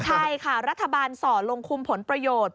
ใช่ค่ะรัฐบาลส่อลงคุมผลประโยชน์